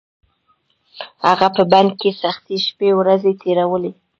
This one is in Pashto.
هغه په بند کې سختې شپې ورځې تېرولې.